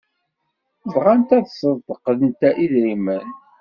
Bɣant ad ṣeddqent idrimen.